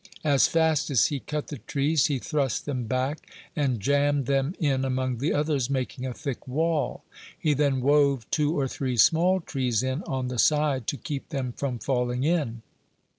As fast as he cut the trees, he thrust them back, and jammed them in among the others, making a thick wall; he then wove two or three small trees in on the side to keep them from falling in.